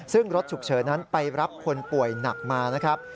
ซึ่งรถฉุกเฉินนั้นไปรับคนป่วยหนักมานะครับ